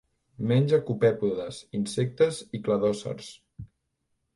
Menja copèpodes, insectes i cladòcers.